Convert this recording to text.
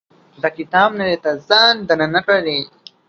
د کتاب نړۍ ته ځان دننه کړي.